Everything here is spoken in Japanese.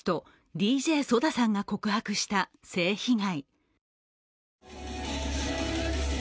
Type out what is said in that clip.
ＤＪＳＯＤＡさんが告発した性被害。